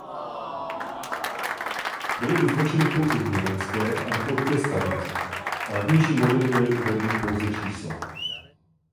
Byly vyznačeny pouze německé a rakouské stanice a levnější modely měly uvedeny pouze čísla.